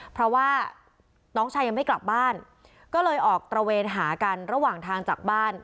เพราะว่าน้องชายยังไม่กลับบ้านก็เลยออกตระเวนหากันระหว่างทางจากบ้าน